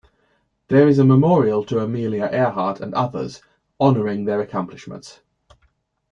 There is a memorial to Amelia Earhart and others, honoring their accomplishments.